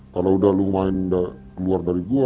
kalau udah lo main luar dari gue